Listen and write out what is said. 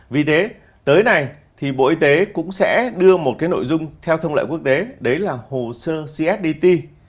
vì thế tới này thì bộ y tế cũng sẽ đưa một cái nội dung theo thông lệ quốc tế đấy là hồ sơ csdt